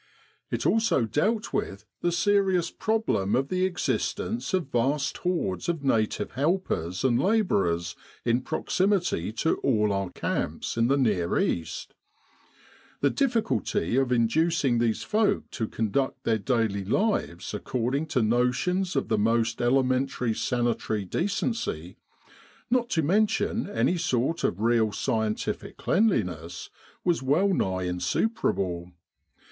It also dealt with the serious problem of the existence of vast hordes of native helpers and labourers in proximity to all our camps in the Near East. The difficulty of inducing these folk to conduct their daily lives according to notions of the most elementary sanitary decency, not to mention any sortt>f real scientific cleanliness, was well nigh insuperable.